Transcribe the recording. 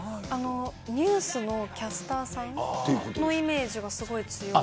ニュースのキャスターさんのイメージがすごい強い。